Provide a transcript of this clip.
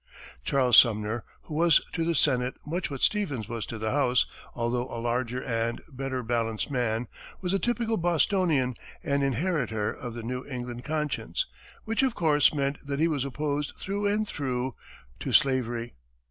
Charles Sumner, who was to the Senate much what Stevens was to the House, although a larger and better balanced man, was a typical Bostonian and inheritor of the New England conscience, which, of course, meant that he was opposed through and through to slavery.